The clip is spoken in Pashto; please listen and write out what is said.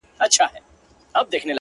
• خټي کوم ـ